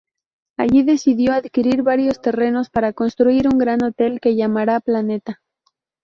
Allí decidió adquirir varios terrenos para construir un gran hotel que llamara Planeta.